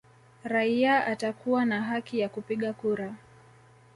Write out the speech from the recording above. Raia atakuwa na haki ya kupiga kura